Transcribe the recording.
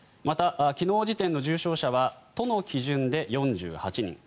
また、昨日時点の重症者は都の基準で４８人。